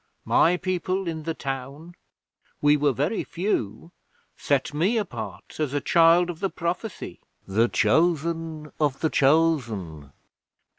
My people in the town (we were very few) set me apart as a child of the prophecy the Chosen of the Chosen.